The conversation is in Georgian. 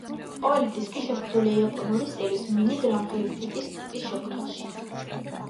ყოველი დისკი შეფუთულია იაპონური სტილის მინი გრამფირფიტის ტიპის შეფუთვაში.